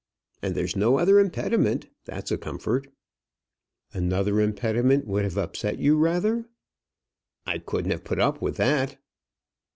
And there's no other impediment. That's a comfort." "Another impediment would have upset you rather?" "I couldn't have put up with that."